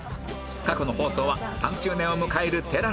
過去の放送は３周年を迎える ＴＥＬＡＳＡ でチェック！